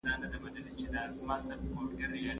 کله لس او کله وژني په سل ګونه